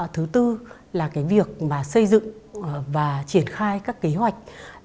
thứ tư là cái việc mà xây dựng và triển khai các kế hoạch